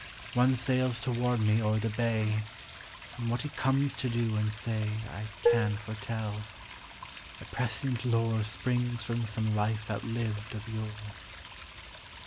One sails toward me o'er the bay, And what he comes to do and say I can foretell. A prescient lore Springs from some life outlived of yore.